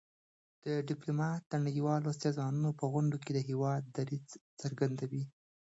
ډيپلومات د نړیوالو سازمانونو په غونډو کي د هېواد دریځ څرګندوي.